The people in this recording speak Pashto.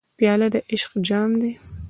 پیاله د عشق جام ده.